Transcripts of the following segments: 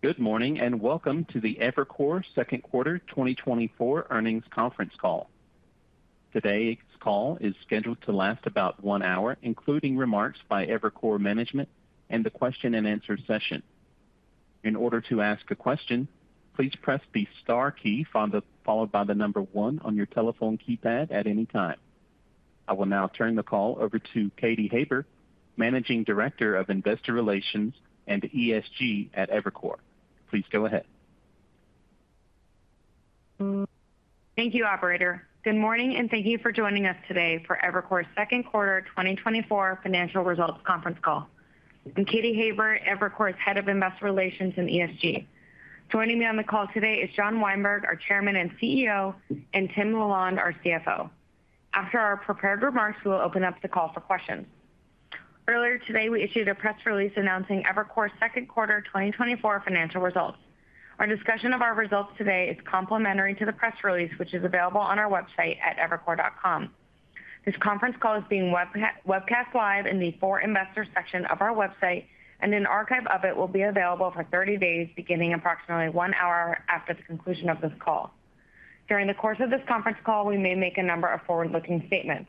Good morning, and welcome to the Evercore second quarter 2024 earnings conference call. Today's call is scheduled to last about one hour, including remarks by Evercore management and the question and answer session. In order to ask a question, please press the star key followed by the number one on your telephone keypad at any time. I will now turn the call over to Katy Haber, Managing Director of Investor Relations and ESG at Evercore. Please go ahead. Thank you, operator. Good morning, and thank you for joining us today for Evercore's second quarter 2024 financial results conference call. I'm Katy Haber, Evercore's Head of Investor Relations and ESG. Joining me on the call today is John Weinberg, our Chairman and CEO, and Tim LaLonde, our CFO. After our prepared remarks, we will open up the call for questions. Earlier today, we issued a press release announcing Evercore's second quarter 2024 financial results. Our discussion of our results today is complementary to the press release, which is available on our website at evercore.com. This conference call is being webcast live in the For Investors section of our website, and an archive of it will be available for 30 days, beginning approximately 1 hour after the conclusion of this call. During the course of this conference call, we may make a number of forward-looking statements.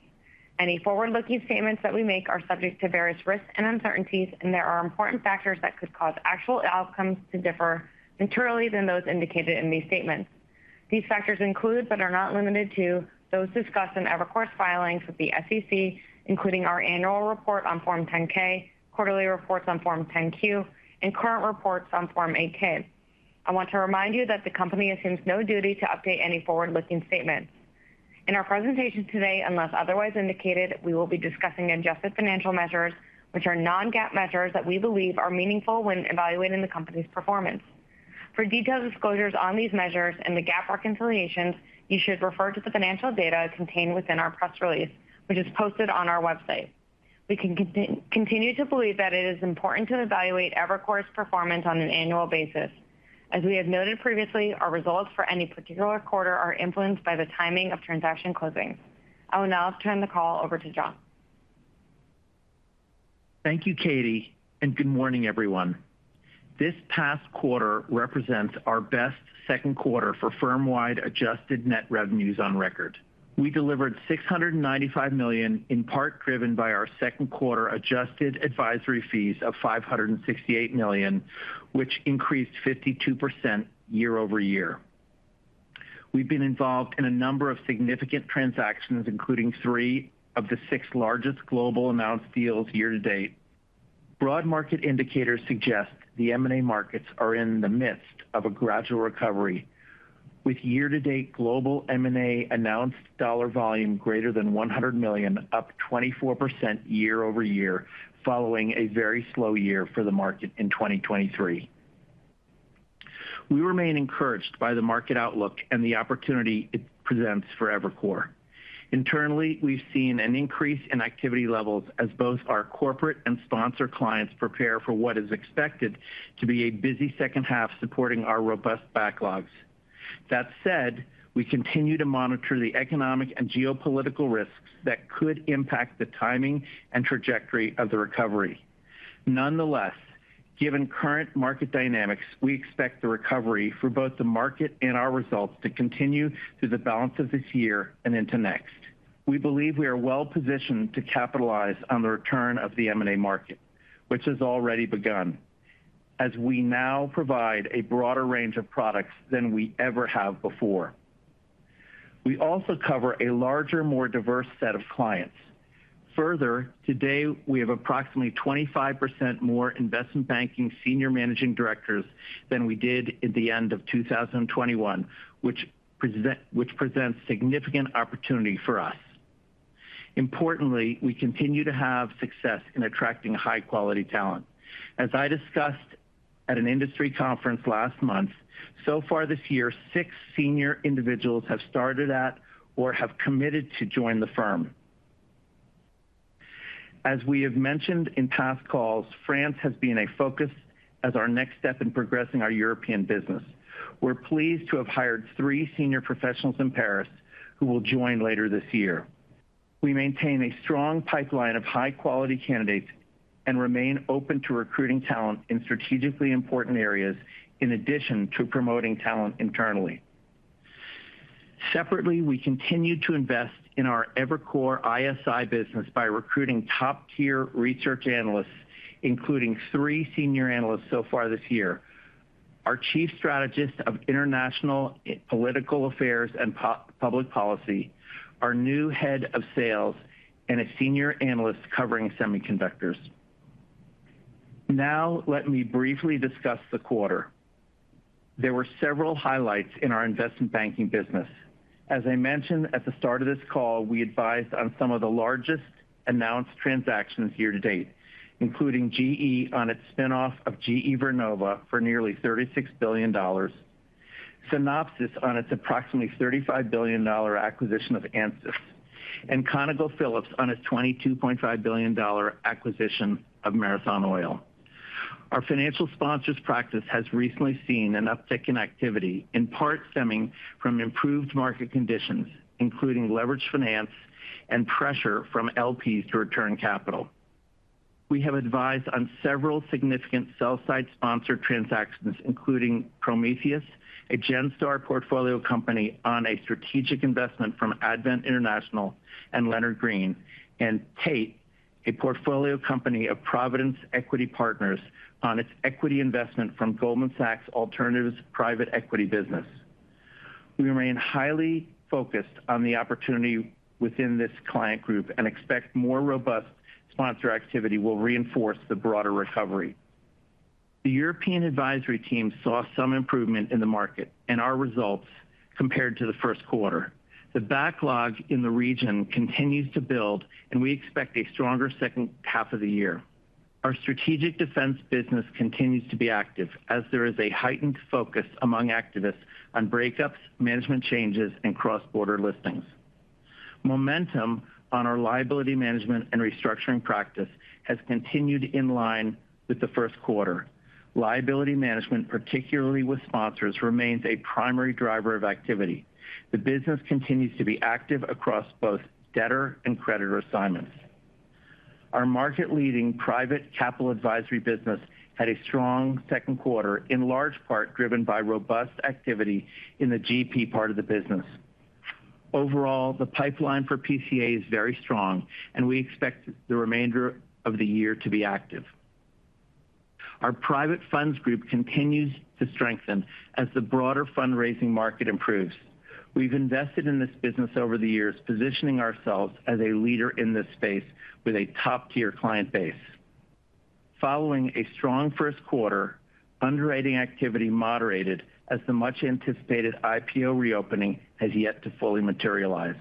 Any forward-looking statements that we make are subject to various risks and uncertainties, and there are important factors that could cause actual outcomes to differ materially than those indicated in these statements. These factors include, but are not limited to, those discussed in Evercore's filings with the SEC, including our annual report on Form 10-K, quarterly reports on Form 10-Q, and current reports on Form 8-K. I want to remind you that the company assumes no duty to update any forward-looking statement. In our presentation today, unless otherwise indicated, we will be discussing adjusted financial measures, which are non-GAAP measures that we believe are meaningful when evaluating the company's performance. For detailed disclosures on these measures and the GAAP reconciliations, you should refer to the financial data contained within our press release, which is posted on our website. We continue to believe that it is important to evaluate Evercore's performance on an annual basis. As we have noted previously, our results for any particular quarter are influenced by the timing of transaction closings. I will now turn the call over to John. Thank you, Katy, and good morning, everyone. This past quarter represents our best second quarter for firm-wide adjusted net revenues on record. We delivered $695 million, in part driven by our second quarter adjusted advisory fees of $568 million, which increased 52% year-over-year. We've been involved in a number of significant transactions, including three of the six largest global announced deals year-to-date. Broad market indicators suggest the M&A markets are in the midst of a gradual recovery, with year-to-date global M&A announced dollar volume greater than $100 million, up 24% year-over-year, following a very slow year for the market in 2023. We remain encouraged by the market outlook and the opportunity it presents for Evercore. Internally, we've seen an increase in activity levels as both our corporate and sponsor clients prepare for what is expected to be a busy second half, supporting our robust backlogs. That said, we continue to monitor the economic and geopolitical risks that could impact the timing and trajectory of the recovery. Nonetheless, given current market dynamics, we expect the recovery for both the market and our results to continue through the balance of this year and into next. We believe we are well positioned to capitalize on the return of the M&A market, which has already begun, as we now provide a broader range of products than we ever have before. We also cover a larger, more diverse set of clients. Further, today, we have approximately 25% more investment banking Senior Managing Directors than we did at the end of 2021, which present, which presents significant opportunity for us. Importantly, we continue to have success in attracting high-quality talent. As I discussed at an industry conference last month, so far this year, six senior individuals have started at or have committed to join the firm. As we have mentioned in past calls, France has been a focus as our next step in progressing our European business. We're pleased to have hired three senior professionals in Paris who will join later this year. We maintain a strong pipeline of high-quality candidates and remain open to recruiting talent in strategically important areas, in addition to promoting talent internally. Separately, we continue to invest in our Evercore ISI business by recruiting top-tier research analysts, including three senior analysts so far this year. Our Chief Strategist of International Political Affairs and Public Policy, our new Head of Sales, and a senior analyst covering semiconductors. Now, let me briefly discuss the quarter. There were several highlights in our investment banking business. As I mentioned at the start of this call, we advised on some of the largest announced transactions year to date, including GE on its spin-off of GE Vernova for nearly $36 billion, Synopsys on its approximately $35 billion acquisition of Ansys, and ConocoPhillips on its $22.5 billion acquisition of Marathon Oil. Our financial sponsors practice has recently seen an uptick in activity, in part stemming from improved market conditions, including leveraged finance and pressure from LPs to return capital. We have advised on several significant sell-side sponsored transactions, including Prometheus, a Genstar portfolio company, on a strategic investment from Advent International and Leonard Green, and TAIT, a portfolio company of Providence Equity Partners, on its equity investment from Goldman Sachs Alternatives private equity business. We remain highly focused on the opportunity within this client group and expect more robust sponsor activity will reinforce the broader recovery. The European advisory team saw some improvement in the market and our results compared to the first quarter. The backlog in the region continues to build, and we expect a stronger second half of the year. Our strategic defense business continues to be active as there is a heightened focus among activists on breakups, management changes, and cross-border listings. Momentum on our liability management and restructuring practice has continued in line with the first quarter. Liability management, particularly with sponsors, remains a primary driver of activity. The business continues to be active across both debtor and creditor assignments. Our market-leading private capital advisory business had a strong second quarter, in large part driven by robust activity in the GP part of the business. Overall, the pipeline for PCA is very strong, and we expect the remainder of the year to be active. Our private funds group continues to strengthen as the broader fundraising market improves. We've invested in this business over the years, positioning ourselves as a leader in this space with a top-tier client base. Following a strong first quarter, underwriting activity moderated as the much-anticipated IPO reopening has yet to fully materialize.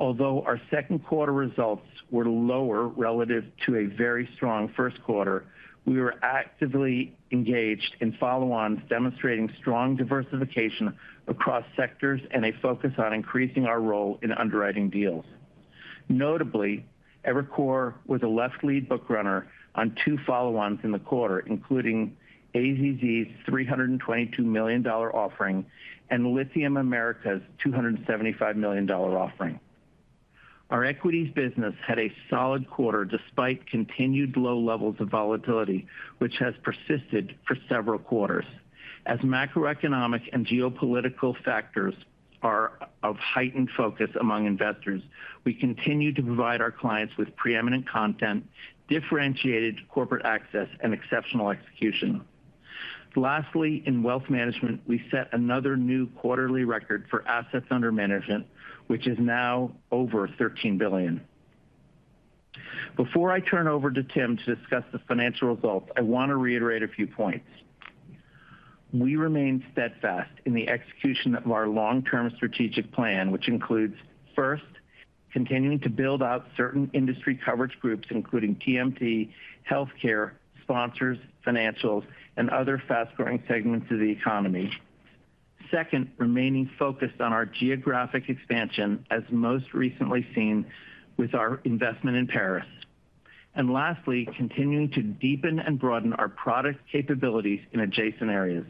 Although our second quarter results were lower relative to a very strong first quarter, we were actively engaged in follow-ons, demonstrating strong diversification across sectors and a focus on increasing our role in underwriting deals. Notably, Evercore was a left lead bookrunner on two follow-ons in the quarter, including AZZ's $322 million offering and Lithium Americas' $275 million offering. Our equities business had a solid quarter, despite continued low levels of volatility, which has persisted for several quarters. As macroeconomic and geopolitical factors are of heightened focus among investors, we continue to provide our clients with preeminent content, differentiated corporate access, and exceptional execution. Lastly, in wealth management, we set another new quarterly record for assets under management, which is now over $13 billion. Before I turn over to Tim to discuss the financial results, I want to reiterate a few points. We remain steadfast in the execution of our long-term strategic plan, which includes, first, continuing to build out certain industry coverage groups, including TMT, healthcare, sponsors, financials, and other fast-growing segments of the economy. Second, remaining focused on our geographic expansion, as most recently seen with our investment in Paris. And lastly, continuing to deepen and broaden our product capabilities in adjacent areas.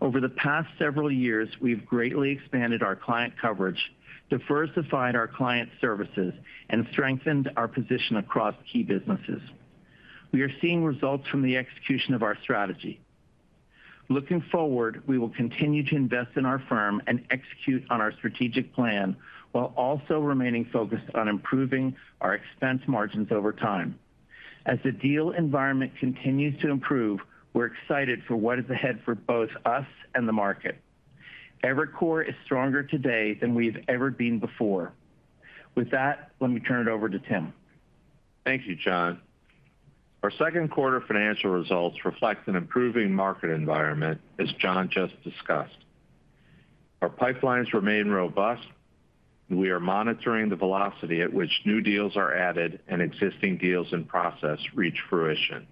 Over the past several years, we've greatly expanded our client coverage, diversified our client services, and strengthened our position across key businesses. We are seeing results from the execution of our strategy. Looking forward, we will continue to invest in our firm and execute on our strategic plan, while also remaining focused on improving our expense margins over time. As the deal environment continues to improve, we're excited for what is ahead for both us and the market. Evercore is stronger today than we've ever been before. With that, let me turn it over to Tim. Thank you, John. Our second quarter financial results reflect an improving market environment, as John just discussed. Our pipelines remain robust, and we are monitoring the velocity at which new deals are added and existing deals in process reach fruition.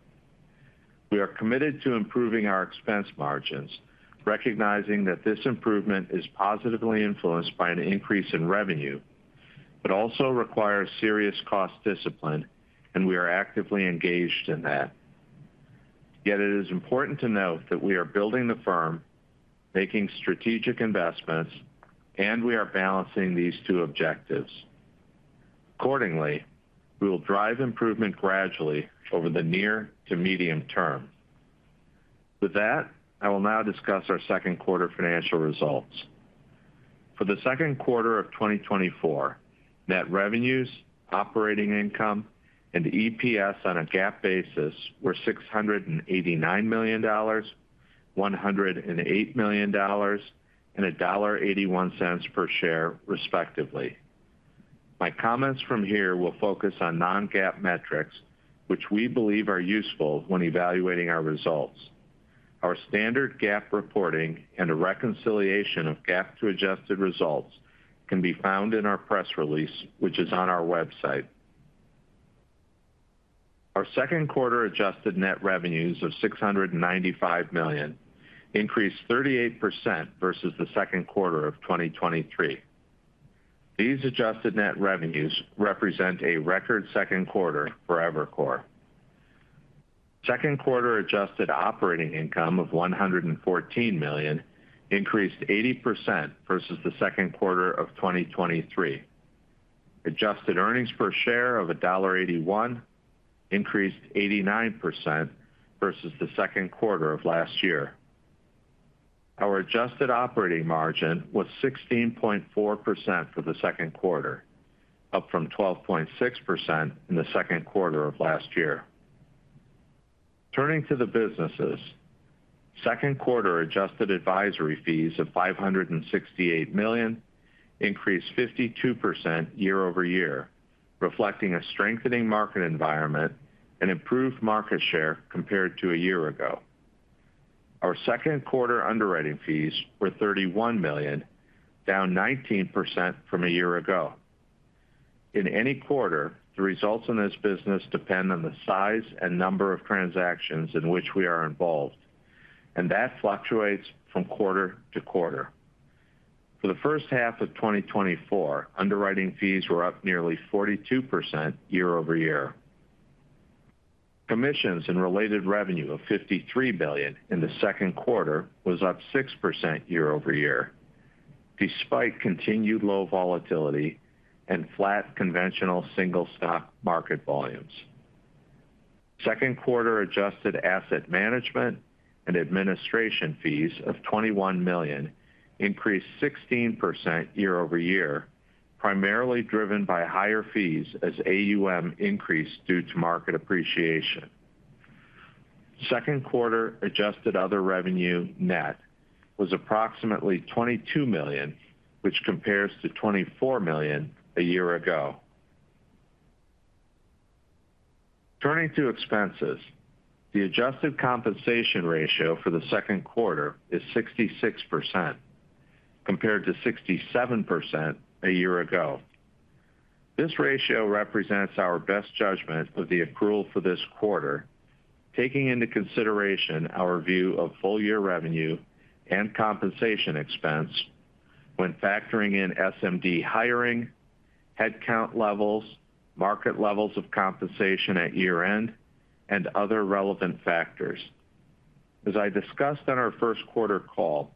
We are committed to improving our expense margins, recognizing that this improvement is positively influenced by an increase in revenue, but also requires serious cost discipline, and we are actively engaged in that. Yet it is important to note that we are building the firm, making strategic investments, and we are balancing these two objectives. Accordingly, we will drive improvement gradually over the near to medium term. With that, I will now discuss our second quarter financial results. For the second quarter of 2024, net revenues, operating income, and EPS on a GAAP basis were $689 million, $108 million, and $1.81 per share, respectively. My comments from here will focus on non-GAAP metrics, which we believe are useful when evaluating our results. Our standard GAAP reporting and a reconciliation of GAAP to adjusted results can be found in our press release, which is on our website. Our second quarter adjusted net revenues of $695 million increased 38% versus the second quarter of 2023. These adjusted net revenues represent a record second quarter for Evercore.... Second quarter adjusted operating income of $114 million increased 80% versus the second quarter of 2023. Adjusted earnings per share of $1.81 increased 89% versus the second quarter of last year. Our adjusted operating margin was 16.4% for the second quarter, up from 12.6% in the second quarter of last year. Turning to the businesses, second quarter adjusted advisory fees of $568 million increased 52% year-over-year, reflecting a strengthening market environment and improved market share compared to a year ago. Our second quarter underwriting fees were $31 million, down 19% from a year ago. In any quarter, the results in this business depend on the size and number of transactions in which we are involved, and that fluctuates from quarter to quarter. For the first half of 2024, underwriting fees were up nearly 42% year-over-year. Commissions and related revenue of $53 billion in the second quarter was up 6% year-over-year, despite continued low volatility and flat conventional single stock market volumes. Second quarter adjusted asset management and administration fees of $21 million increased 16% year-over-year, primarily driven by higher fees as AUM increased due to market appreciation. Second quarter adjusted other revenue net was approximately $22 million, which compares to $24 million a year ago. Turning to expenses, the adjusted compensation ratio for the second quarter is 66%, compared to 67% a year ago. This ratio represents our best judgment of the accrual for this quarter, taking into consideration our view of full-year revenue and compensation expense when factoring in SMD hiring, headcount levels, market levels of compensation at year-end, and other relevant factors. As I discussed on our first quarter call,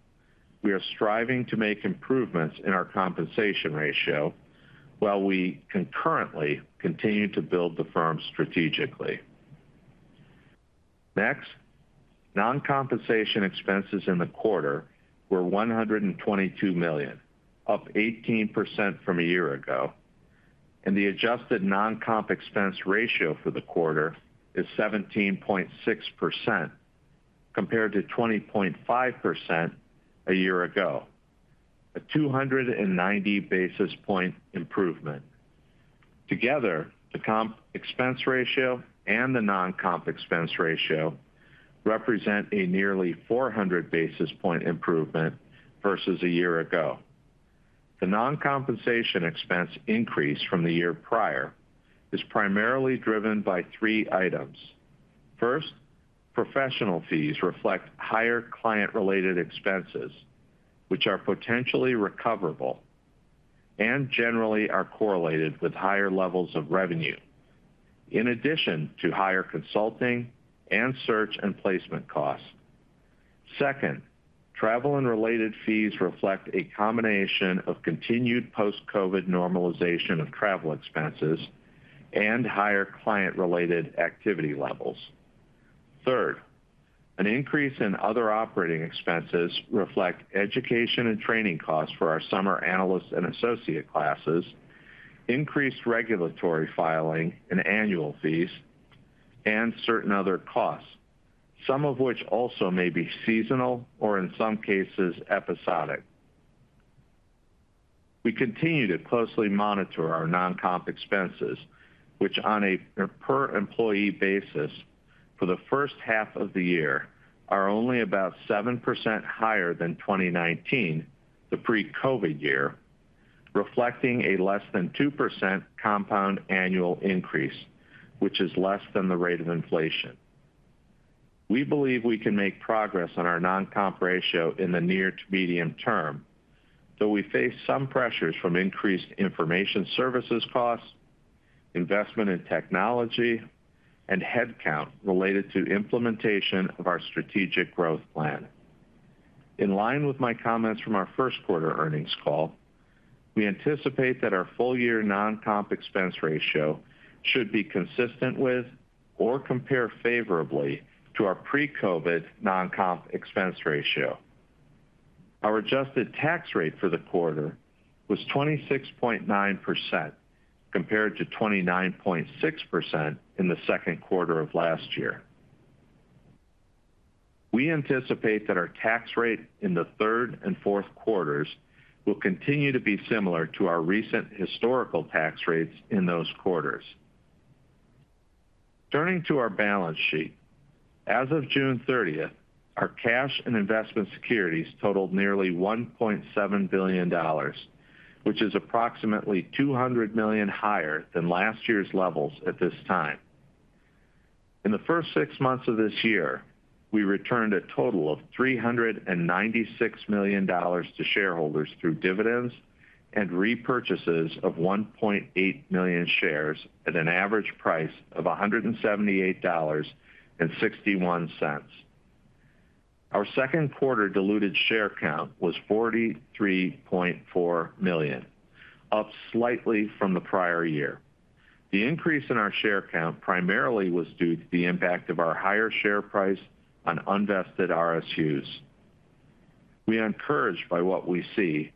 we are striving to make improvements in our compensation ratio while we concurrently continue to build the firm strategically. Next, non-compensation expenses in the quarter were $122 million, up 18% from a year ago, and the adjusted non-comp expense ratio for the quarter is 17.6%, compared to 20.5% a year ago, a 290 basis point improvement. Together, the comp expense ratio and the non-comp expense ratio represent a nearly 400 basis point improvement versus a year ago. The non-compensation expense increase from the year prior is primarily driven by 3 items. First, professional fees reflect higher client-related expenses, which are potentially recoverable and generally are correlated with higher levels of revenue, in addition to higher consulting and search and placement costs. Second, travel and related fees reflect a combination of continued post-COVID normalization of travel expenses and higher client-related activity levels. Third, an increase in other operating expenses reflect education and training costs for our summer analysts and associate classes, increased regulatory filing and annual fees, and certain other costs, some of which also may be seasonal or in some cases, episodic. We continue to closely monitor our non-comp expenses, which on a per employee basis for the first half of the year, are only about 7% higher than 2019, the pre-COVID year, reflecting a less than 2% compound annual increase, which is less than the rate of inflation. We believe we can make progress on our non-comp ratio in the near to medium term, though we face some pressures from increased information services costs, investment in technology, and headcount related to implementation of our strategic growth plan. In line with my comments from our first quarter earnings call, we anticipate that our full-year non-comp expense ratio should be consistent with or compare favorably to our pre-COVID non-comp expense ratio. Our adjusted tax rate for the quarter was 26.9%, compared to 29.6% in the second quarter of last year. We anticipate that our tax rate in the third and fourth quarters will continue to be similar to our recent historical tax rates in those quarters. Turning to our balance sheet. As of June thirtieth, our cash and investment securities totaled nearly $1.7 billion, which is approximately $200 million higher than last year's levels at this time. In the first six months of this year-... We returned a total of $396 million to shareholders through dividends and repurchases of 1.8 million shares at an average price of $178.61. Our second quarter diluted share count was 43.4 million, up slightly from the prior year. The increase in our share count primarily was due to the impact of our higher share price on unvested RSUs. We are encouraged by what we see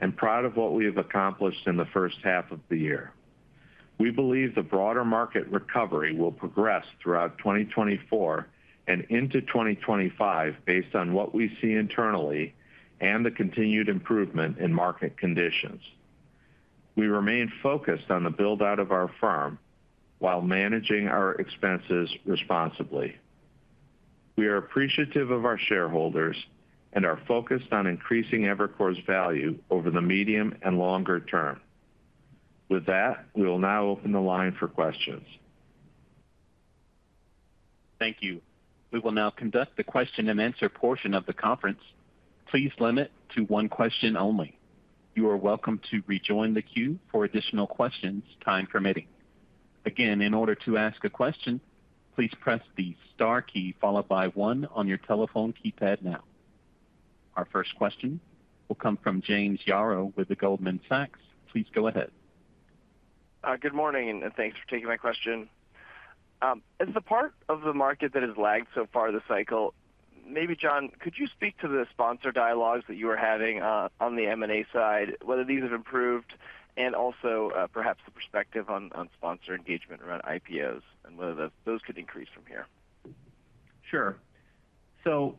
and proud of what we have accomplished in the first half of the year. We believe the broader market recovery will progress throughout 2024 and into 2025, based on what we see internally and the continued improvement in market conditions. We remain focused on the build-out of our firm while managing our expenses responsibly. We are appreciative of our shareholders and are focused on increasing Evercore's value over the medium and longer term. With that, we will now open the line for questions. Thank you. We will now conduct the question-and-answer portion of the conference. Please limit to one question only. You are welcome to rejoin the queue for additional questions, time permitting. Again, in order to ask a question, please press the star key followed by one on your telephone keypad now. Our first question will come from James Yaro with Goldman Sachs. Please go ahead. Good morning, and thanks for taking my question. As the part of the market that has lagged so far this cycle, maybe, John, could you speak to the sponsor dialogues that you are having on the M&A side, whether these have improved, and also, perhaps the perspective on sponsor engagement around IPOs, and whether those could increase from here? Sure. So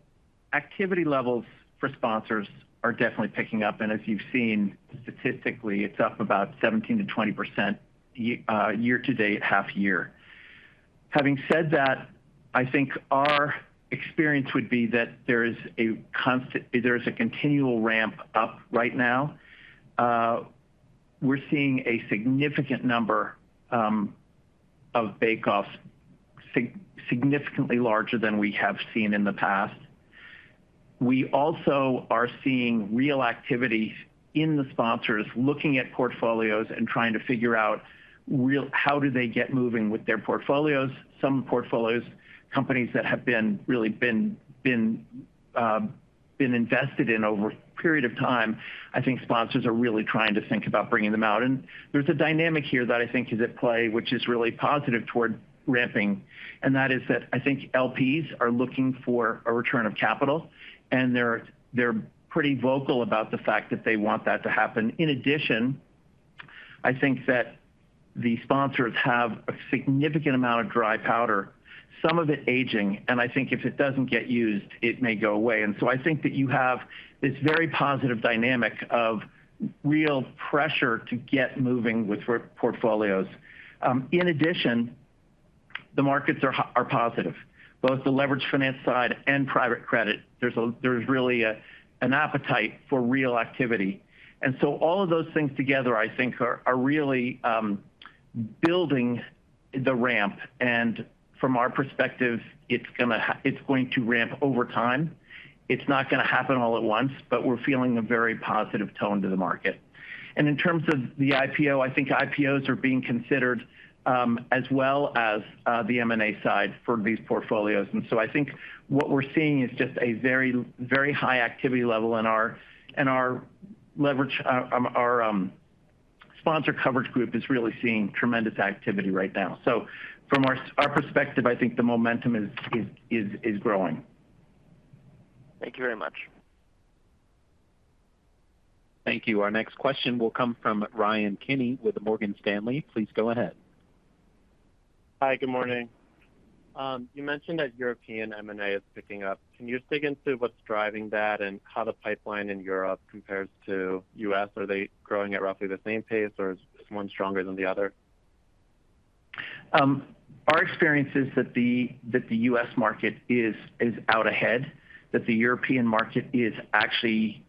activity levels for sponsors are definitely picking up, and as you've seen, statistically, it's up about 17%-20% year to date, half year. Having said that, I think our experience would be that there is a continual ramp up right now. We're seeing a significant number of bakeoffs, significantly larger than we have seen in the past. We also are seeing real activity in the sponsors, looking at portfolios and trying to figure out real how do they get moving with their portfolios. Some portfolios, companies that have really been invested in over a period of time, I think sponsors are really trying to think about bringing them out. And there's a dynamic here that I think is at play, which is really positive toward ramping, and that is that I think LPs are looking for a return of capital, and they're pretty vocal about the fact that they want that to happen. In addition, I think that the sponsors have a significant amount of dry powder, some of it aging, and I think if it doesn't get used, it may go away. And so I think that you have this very positive dynamic of real pressure to get moving with portfolios. In addition, the markets are positive. Both the leveraged finance side and private credit, there's really an appetite for real activity. And so all of those things together, I think, are really building the ramp, and from our perspective, it's gonna it's going to ramp over time. It's not going to happen all at once, but we're feeling a very positive tone to the market. And in terms of the IPO, I think IPOs are being considered as well as the M&A side for these portfolios. And so I think what we're seeing is just a very, very high activity level in our leverage. Our sponsor coverage group is really seeing tremendous activity right now. So from our perspective, I think the momentum is growing. Thank you very much. Thank you. Our next question will come from Ryan Kenny with Morgan Stanley. Please go ahead. Hi, good morning. You mentioned that European M&A is picking up. Can you dig into what's driving that and how the pipeline in Europe compares to U.S.? Are they growing at roughly the same pace, or is one stronger than the other? Our experience is that the U.S. market is out ahead, that the European market is actually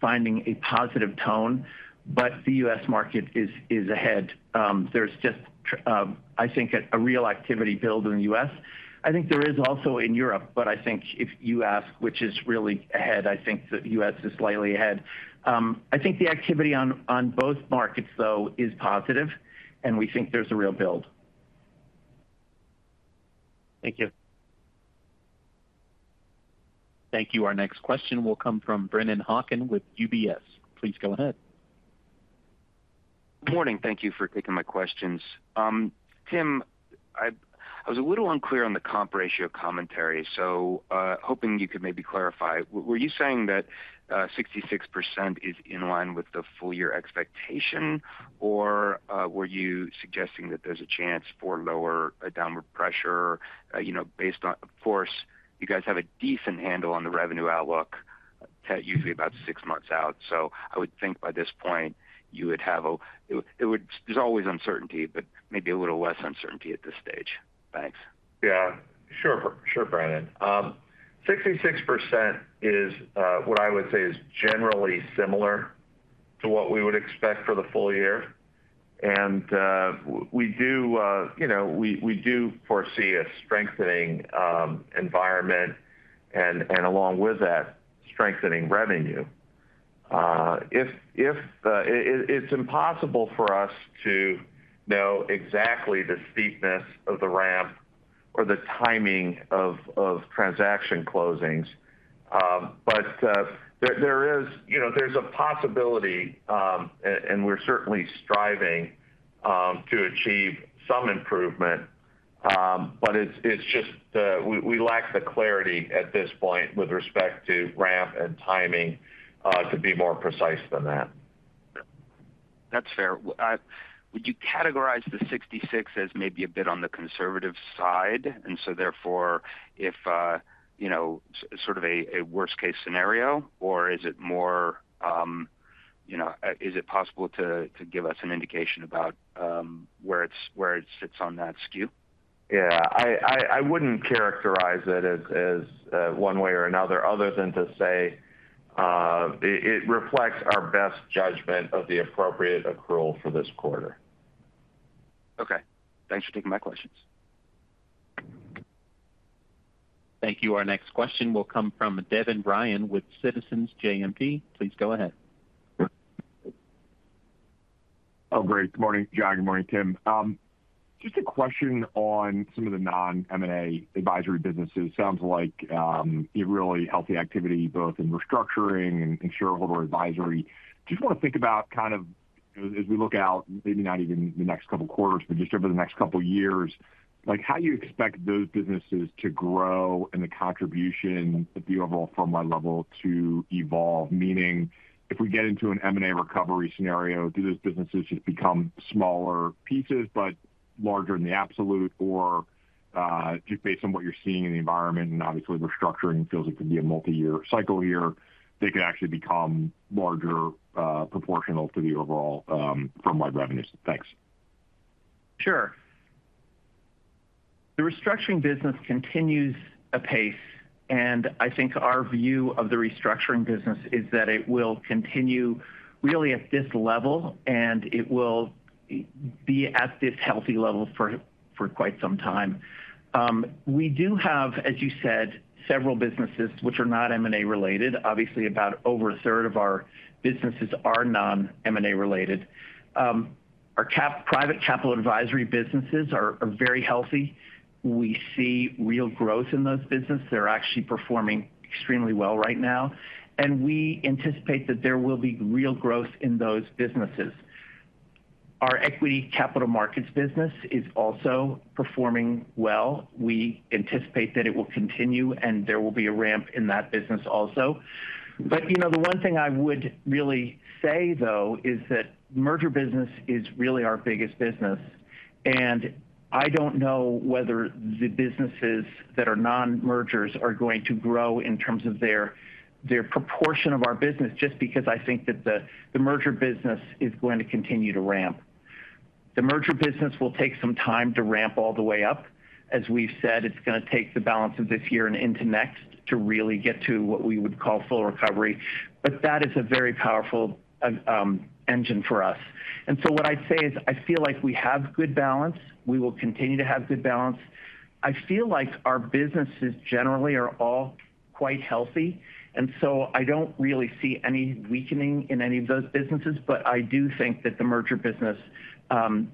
finding a positive tone, but the U.S. market is ahead. There's just, I think, a real activity build in the U.S. I think there is also in Europe, but I think if you ask which is really ahead, I think the U.S. is slightly ahead. I think the activity on both markets, though, is positive, and we think there's a real build. Thank you. Thank you. Our next question will come from Brennan Hawken with UBS. Please go ahead. Morning. Thank you for taking my questions. Tim, I was a little unclear on the comp ratio commentary, so hoping you could maybe clarify. Were you saying that 66% is in line with the full-year expectation, or were you suggesting that there's a chance for lower downward pressure? You know, based on - of course, you guys have a decent handle on the revenue outlook, usually about 6 months out. So I would think by this point you would have a... It would - there's always uncertainty, but maybe a little less uncertainty at this stage. Thanks. Yeah, sure. Sure, Brennan. 66% is what I would say is generally similar to what we would expect for the full year. And we do, you know, we do foresee a strengthening environment and, along with that, strengthening revenue. It's impossible for us to know exactly the steepness of the ramp or the timing of transaction closings. But there is, you know, a possibility, and we're certainly striving to achieve some improvement. But it's just we lack the clarity at this point with respect to ramp and timing to be more precise than that. That's fair. Would you categorize the 66 as maybe a bit on the conservative side, and so therefore, if you know, sort of a worst-case scenario, or is it more, you know, is it possible to give us an indication about where it sits on that skew? Yeah, I wouldn't characterize it as one way or another, other than to say, it reflects our best judgment of the appropriate accrual for this quarter. Okay. Thanks for taking my questions. Thank you. Our next question will come from Devin Ryan with Citizens JMP. Please go ahead. Oh, great. Good morning, John, good morning, Tim. Just a question on some of the non-M&A advisory businesses. Sounds like you really healthy activity both in restructuring and in shareholder advisory. Just want to think about kind of, as we look out, maybe not even the next couple of quarters, but just over the next couple of years, like, how you expect those businesses to grow and the contribution at the overall firm-wide level to evolve? Meaning, if we get into an M&A recovery scenario, do those businesses just become smaller pieces but larger in the absolute? Or just based on what you're seeing in the environment, and obviously, restructuring feels it could be a multi-year cycle here, they could actually become larger proportional to the overall firm-wide revenues. Thanks. Sure. The restructuring business continues apace, and I think our view of the restructuring business is that it will continue really at this level, and it will be at this healthy level for quite some time. We do have, as you said, several businesses which are not M&A related. Obviously, about over a third of our businesses are non-M&A related. Our private capital advisory businesses are very healthy. We see real growth in those businesses. They're actually performing extremely well right now, and we anticipate that there will be real growth in those businesses. Our equity capital markets business is also performing well. We anticipate that it will continue, and there will be a ramp in that business also. But, you know, the one thing I would really say, though, is that merger business is really our biggest business, and I don't know whether the businesses that are non-mergers are going to grow in terms of their proportion of our business, just because I think that the merger business is going to continue to ramp. The merger business will take some time to ramp all the way up. As we've said, it's going to take the balance of this year and into next to really get to what we would call full recovery, but that is a very powerful engine for us. And so what I'd say is, I feel like we have good balance. We will continue to have good balance. I feel like our businesses generally are all quite healthy, and so I don't really see any weakening in any of those businesses, but I do think that the merger business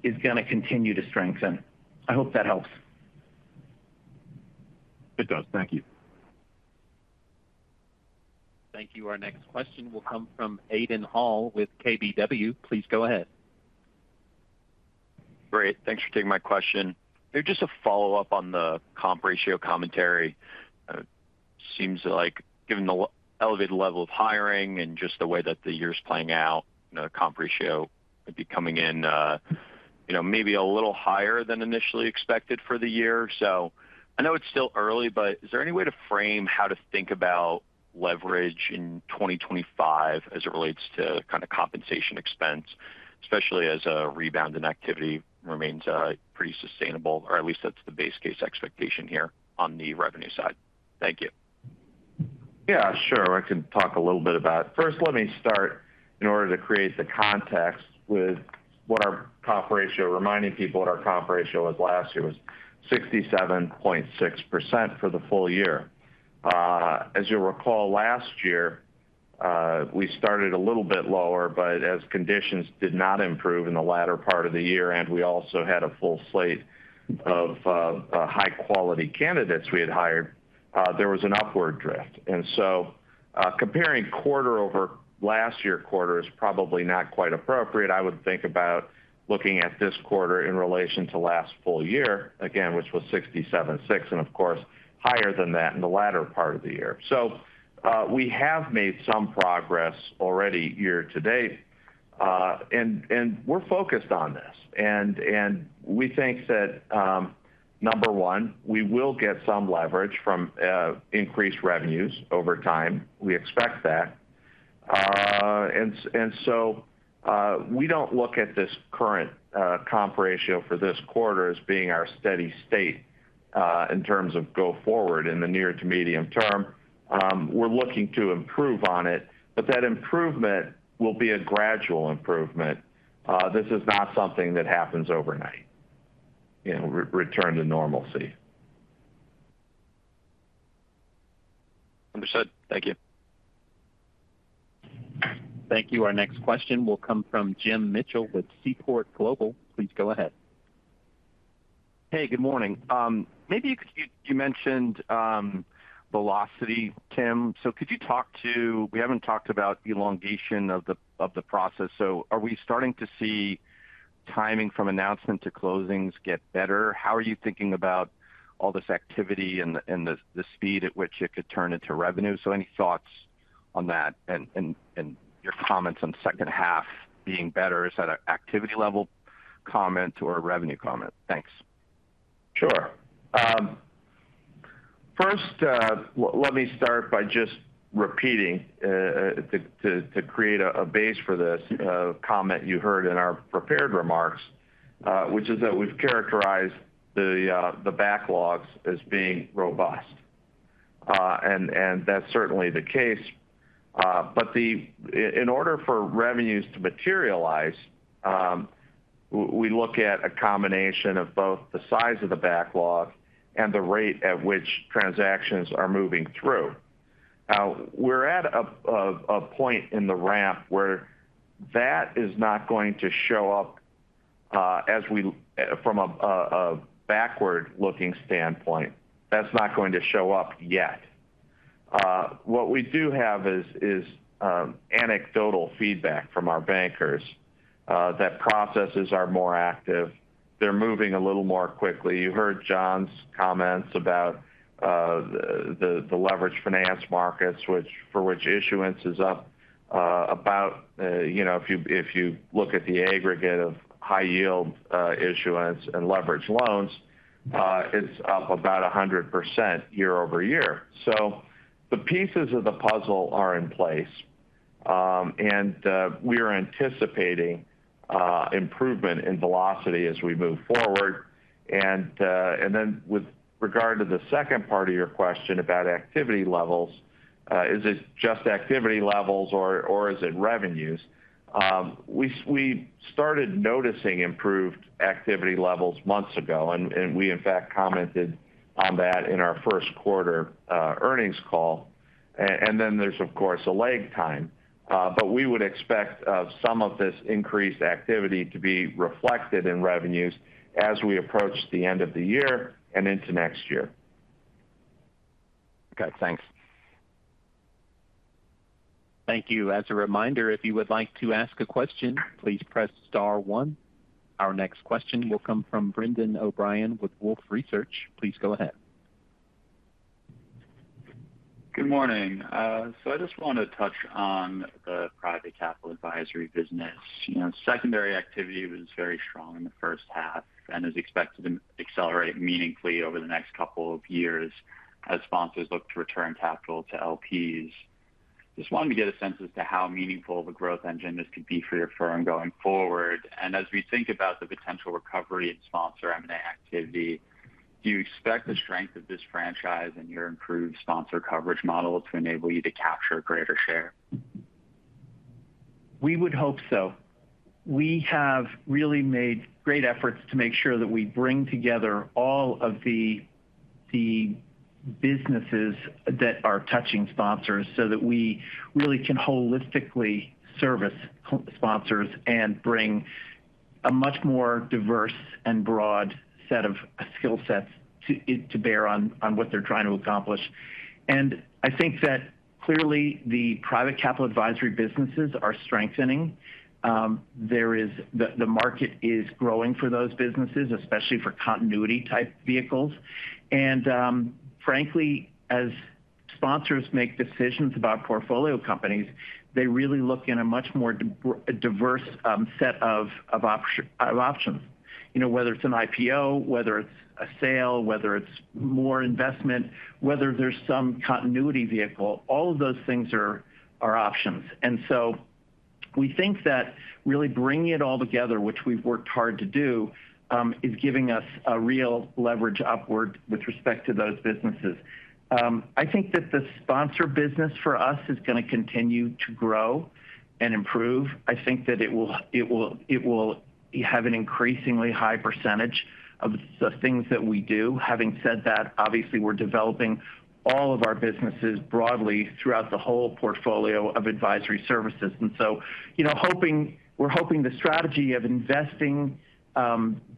is going to continue to strengthen. I hope that helps. It does. Thank you. Thank you. Our next question will come from Aidan Hall with KBW. Please go ahead. Great, thanks for taking my question. Just a follow-up on the comp ratio commentary. Seems like given the elevated level of hiring and just the way that the year is playing out, the comp ratio would be coming in, you know, maybe a little higher than initially expected for the year. So I know it's still early, but is there any way to frame how to think about leverage in 2025 as it relates to kind of compensation expense, especially as a rebound in activity remains pretty sustainable, or at least that's the base case expectation here on the revenue side? Thank you. Yeah, sure. I can talk a little bit about... First, let me start in order to create the context with what our comp ratio, reminding people what our comp ratio was last year, was 67.6% for the full year. As you'll recall, last year, we started a little bit lower, but as conditions did not improve in the latter part of the year, and we also had a full slate of high-quality candidates we had hired, there was an upward drift. And so, comparing quarter over last year quarter is probably not quite appropriate. I would think about looking at this quarter in relation to last full year, again, which was 67.6, and of course, higher than that in the latter part of the year. So, we have made some progress already year to date, and we're focused on this. And we think that, number one, we will get some leverage from increased revenues over time. We expect that. And so, we don't look at this current comp ratio for this quarter as being our steady state... in terms of go forward in the near to medium term. We're looking to improve on it, but that improvement will be a gradual improvement. This is not something that happens overnight, you know, return to normalcy. Understood. Thank you. Thank you. Our next question will come from Jim Mitchell with Seaport Global. Please go ahead. Hey, good morning. Maybe you could -- you mentioned velocity, Tim. So could you talk to -- we haven't talked about elongation of the process, so are we starting to see timing from announcement to closings get better? How are you thinking about all this activity and the speed at which it could turn into revenue? So any thoughts on that, and your comments on second half being better, is that an activity level comment or a revenue comment? Thanks. Sure. First, let me start by just repeating to create a base for this comment you heard in our prepared remarks, which is that we've characterized the backlogs as being robust. That's certainly the case. But in order for revenues to materialize, we look at a combination of both the size of the backlog and the rate at which transactions are moving through. Now, we're at a point in the ramp where that is not going to show up as from a backward-looking standpoint. That's not going to show up yet. What we do have is anecdotal feedback from our bankers that processes are more active. They're moving a little more quickly. You heard John's comments about the leverage finance markets, for which issuance is up about, you know, if you look at the aggregate of high yield issuance and leverage loans, it's up about 100% year-over-year. So the pieces of the puzzle are in place, and we are anticipating improvement in velocity as we move forward. And then with regard to the second part of your question about activity levels, is it just activity levels or is it revenues? We started noticing improved activity levels months ago, and we in fact commented on that in our first quarter earnings call. And then there's, of course, a lag time, but we would expect some of this increased activity to be reflected in revenues as we approach the end of the year and into next year. Okay, thanks. Thank you. As a reminder, if you would like to ask a question, please press star one. Our next question will come from Brendan O'Brien with Wolfe Research. Please go ahead. Good morning. So I just want to touch on the private capital advisory business. You know, secondary activity was very strong in the first half and is expected to accelerate meaningfully over the next couple of years as sponsors look to return capital to LPs. Just wanted to get a sense as to how meaningful of a growth engine this could be for your firm going forward. And as we think about the potential recovery in sponsor M&A activity, do you expect the strength of this franchise and your improved sponsor coverage model to enable you to capture a greater share? We would hope so. We have really made great efforts to make sure that we bring together all of the businesses that are touching sponsors, so that we really can holistically service co-sponsors and bring a much more diverse and broad set of skill sets to bear on what they're trying to accomplish. And I think that clearly, the private capital advisory businesses are strengthening. The market is growing for those businesses, especially for continuity-type vehicles. And frankly, as sponsors make decisions about portfolio companies, they really look in a much more diverse set of options. You know, whether it's an IPO, whether it's a sale, whether it's more investment, whether there's some continuity vehicle, all of those things are options. And so we think that really bringing it all together, which we've worked hard to do, is giving us a real leverage upward with respect to those businesses. I think that the sponsor business for us is going to continue to grow and improve. I think that it will, it will, it will have an increasingly high percentage of the things that we do. Having said that, obviously, we're developing all of our businesses broadly throughout the whole portfolio of advisory services. And so, you know, we're hoping the strategy of investing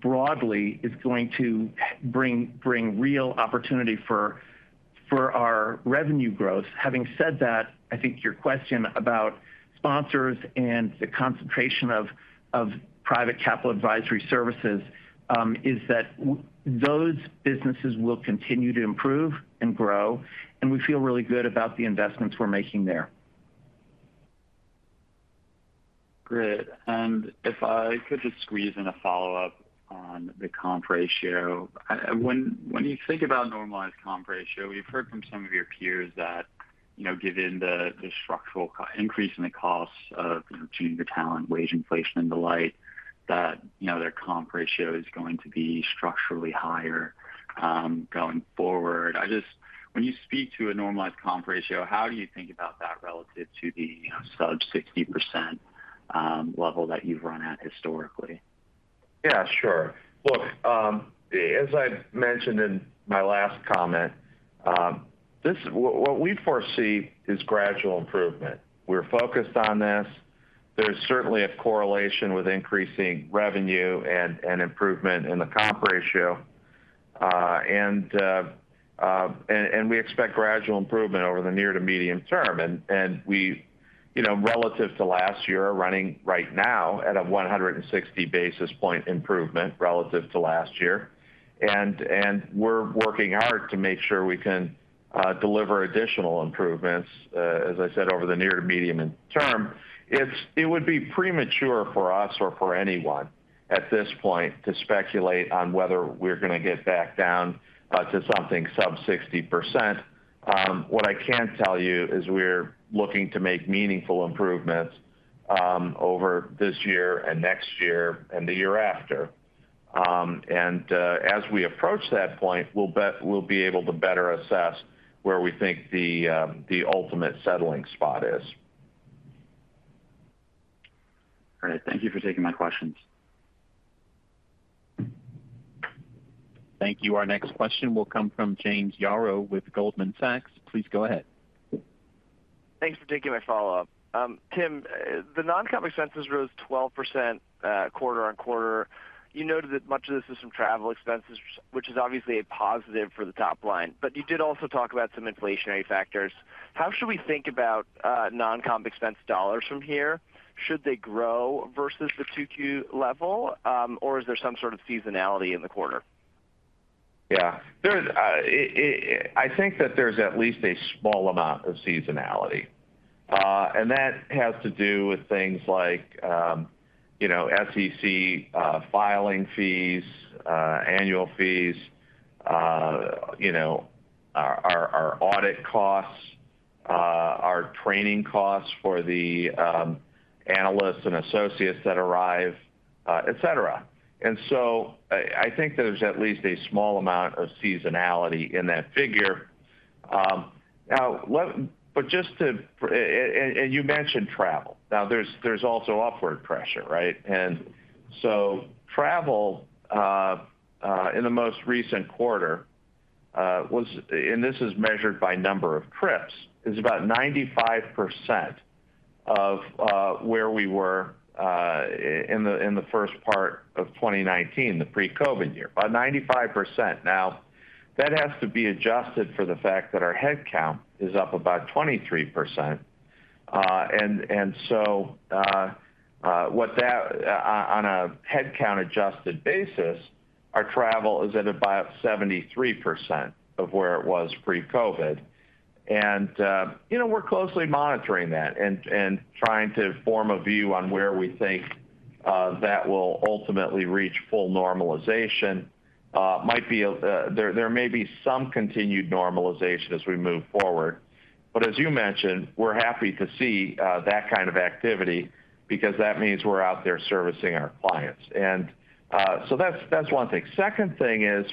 broadly is going to bring real opportunity for our revenue growth. Having said that, I think your question about sponsors and the concentration of private capital advisory services is that those businesses will continue to improve and grow, and we feel really good about the investments we're making there. Great. And if I could just squeeze in a follow-up on the comp ratio. When you think about normalized comp ratio, we've heard from some of your peers that you know, given the structural increase in the costs of achieving the talent, wage inflation and the like, that you know, their comp ratio is going to be structurally higher going forward. When you speak to a normalized comp ratio, how do you think about that relative to the you know, sub-60% level that you've run at historically? Yeah, sure. Look, as I mentioned in my last comment, what we foresee is gradual improvement. We're focused on this. There's certainly a correlation with increasing revenue and improvement in the comp ratio. And we expect gradual improvement over the near to medium term. And we, you know, relative to last year, are running right now at a 160 basis point improvement relative to last year. And we're working hard to make sure we can deliver additional improvements, as I said, over the near to medium term. It would be premature for us or for anyone at this point to speculate on whether we're gonna get back down to something sub 60%. What I can tell you is we're looking to make meaningful improvements over this year and next year and the year after. As we approach that point, we'll be able to better assess where we think the ultimate settling spot is. All right. Thank you for taking my questions. Thank you. Our next question will come from James Yaro with Goldman Sachs. Please go ahead. Thanks for taking my follow-up. Tim, the non-comp expenses rose 12%, quarter on quarter. You noted that much of this is from travel expenses, which is obviously a positive for the top line, but you did also talk about some inflationary factors. How should we think about, non-comp expense dollars from here? Should they grow versus the 2Q level, or is there some sort of seasonality in the quarter? Yeah. There is, I think that there's at least a small amount of seasonality, and that has to do with things like, you know, SEC filing fees, annual fees, you know, our, our, our audit costs, our training costs for the, analysts and associates that arrive, et cetera. And so I, I think there's at least a small amount of seasonality in that figure. Now, but just to... and, and you mentioned travel. Now, there's, there's also upward pressure, right? And so travel, in the most recent quarter, was, and this is measured by number of trips, is about 95% of, where we were, in the, in the first part of 2019, the pre-COVID year, by 95%. Now, that has to be adjusted for the fact that our headcount is up about 23%. And so, on a headcount-adjusted basis, our travel is at about 73% of where it was pre-COVID. And, you know, we're closely monitoring that and trying to form a view on where we think that will ultimately reach full normalization. There may be some continued normalization as we move forward, but as you mentioned, we're happy to see that kind of activity because that means we're out there servicing our clients. And so that's one thing. Second thing is,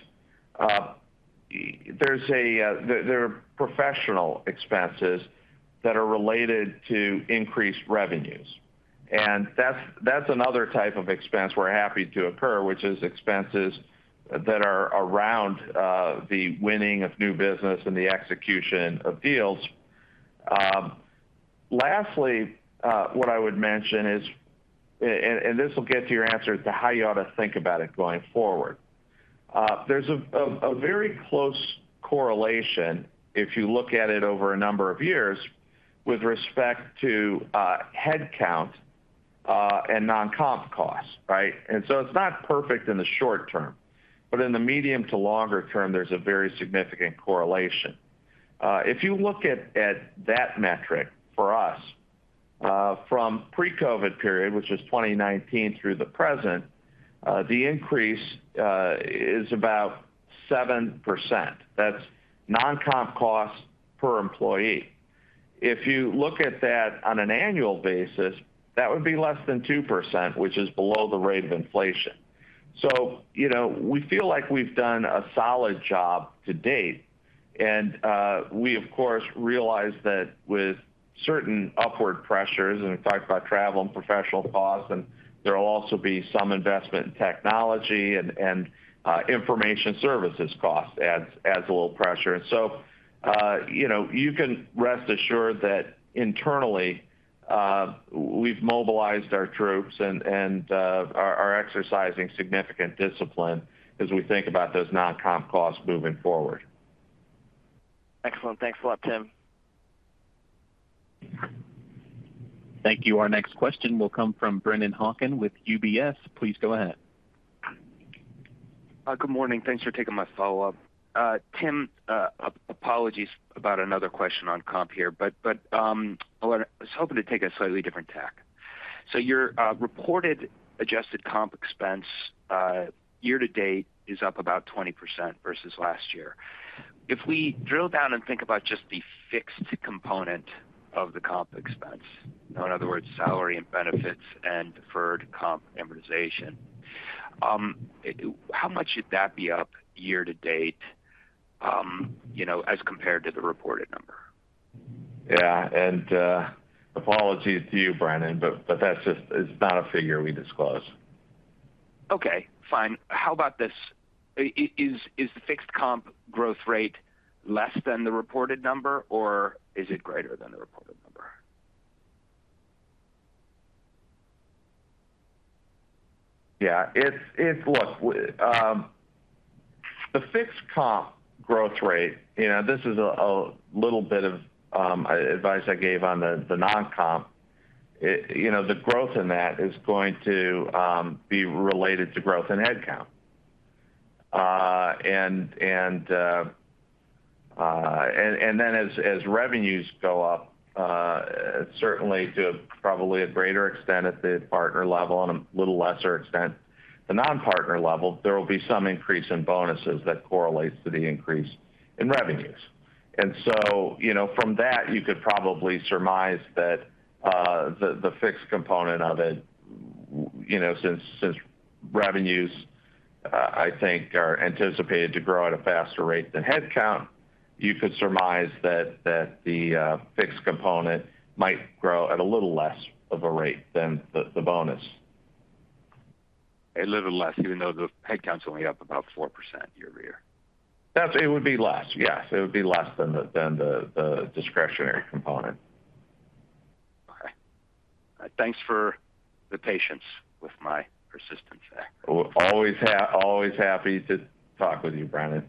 there are professional expenses that are related to increased revenues, and that's another type of expense we're happy to incur, which is expenses that are around the winning of new business and the execution of deals. Lastly, what I would mention is, and this will get to your answer as to how you ought to think about it going forward. There's a very close correlation, if you look at it over a number of years, with respect to headcount and non-comp costs, right? And so it's not perfect in the short term, but in the medium to longer term, there's a very significant correlation. If you look at that metric for us, from pre-COVID period, which is 2019 through the present, the increase is about 7%. That's non-comp costs per employee. If you look at that on an annual basis, that would be less than 2%, which is below the rate of inflation. So, you know, we feel like we've done a solid job to date, and we of course realize that with certain upward pressures, and we talked about travel and professional costs, and there will also be some investment in technology and information services costs add a little pressure. And so, you know, you can rest assured that internally, we've mobilized our troops and are exercising significant discipline as we think about those non-comp costs moving forward. Excellent. Thanks a lot, Tim. Thank you. Our next question will come from Brennan Hawken with UBS. Please go ahead. Good morning. Thanks for taking my follow-up. Tim, apologies about another question on comp here, but I was hoping to take a slightly different tack. So your reported adjusted comp expense year-to-date is up about 20% versus last year. If we drill down and think about just the fixed component of the comp expense, in other words, salary and benefits and deferred comp amortization, how much should that be up year-to-date, you know, as compared to the reported number? Yeah, and, apologies to you, Brandon, but, but that's just, it's not a figure we disclose. Okay, fine. How about this? Is the fixed comp growth rate less than the reported number, or is it greater than the reported number? Yeah, it's-- Look, the fixed comp growth rate, you know, this is a little bit of advice I gave on the non-comp. You know, the growth in that is going to be related to growth in headcount. And then as revenues go up, certainly to probably a greater extent at the partner level and a little lesser extent, the non-partner level, there will be some increase in bonuses that correlates to the increase in revenues. And so, you know, from that, you could probably surmise that the fixed component of it, you know, since revenues I think are anticipated to grow at a faster rate than headcount, you could surmise that the fixed component might grow at a little less of a rate than the bonus. A little less, even though the headcount's only up about 4% year-over-year? That it would be less, yes. It would be less than the discretionary component. Okay. Thanks for the patience with my persistence. Always happy to talk with you, Brendan.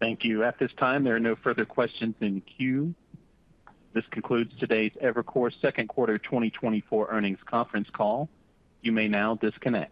Thank you. At this time, there are no further questions in the queue. This concludes today's Evercore second quarter 2024 earnings conference call. You may now disconnect.